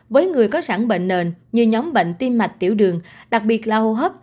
với người có sẵn bệnh nền như nhóm bệnh tim mạch tiểu đường đặc biệt là hô hấp